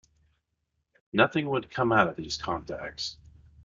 Nothing would come out of these contacts.